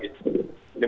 demikian mas yuda